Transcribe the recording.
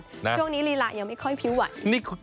ช่วงนี้ลีลายังไม่ค่อยพิ้วไหว